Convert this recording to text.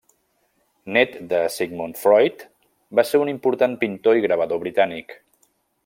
Nét de Sigmund Freud, va ser un important pintor i gravador britànic.